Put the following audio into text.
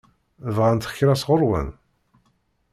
Bɣant kra sɣur-wen?